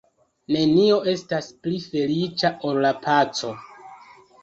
Nenio estas pli feliĉa ol la paco.